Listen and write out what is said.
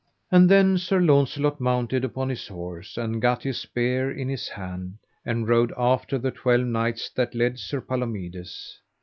And then Sir Launcelot mounted upon his horse, and gat his spear in his hand, and rode after the twelve knights that led Sir Palomides.